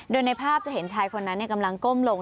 โดยในภาพจะเห็นชายคนนั้นกำลังก้มลง